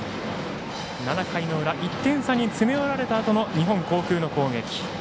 ７回の裏１点差に詰め寄られたあとの日本航空の攻撃。